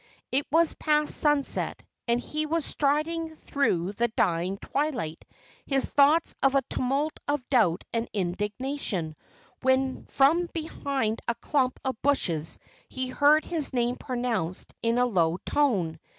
It was past sunset, and he was striding through the dying twilight, his thoughts a tumult of doubt and indignation, when from behind a clump of bushes he heard his name pronounced in a low tone.